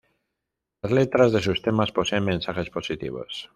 Las letras de sus temas poseen mensajes positivos.